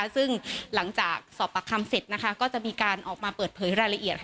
ซึ่งหลังจากสอบปากคำเสร็จก็จะมีการออกมาเปิดเผยรายละเอียด